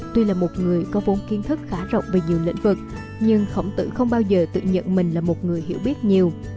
tuy là một người có vốn kiến thức khá rộng về nhiều lĩnh vực nhưng khổng tử không bao giờ tự nhận mình là một người hiểu biết nhiều